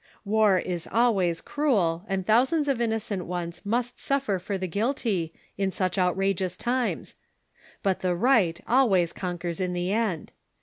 War is always cruel, and thousands of innocent ones must suffer for the guilty, in such outrageous times ; but the right always conquers in the end.